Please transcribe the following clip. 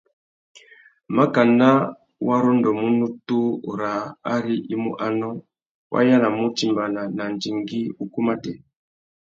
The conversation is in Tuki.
Makana wa rôndômú nutu râā ari i mú anô, wa yānamú utimbāna na andigüî ukú matê.